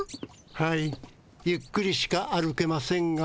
はいゆっくりしか歩けませんが。